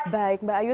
baik mbak ayu